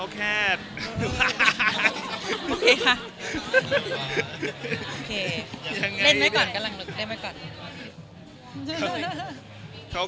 โอเคเล่นไว้ก่อนก่อน